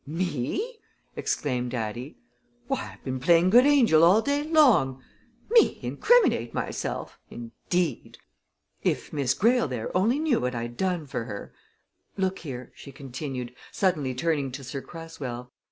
"Me!" exclaimed Addie. "Why, I've been playing good angel all day long me incriminate myself, indeed! If Miss Greyle there only knew what I'd done for her! look here," she continued, suddenly turning to Sir Cresswell.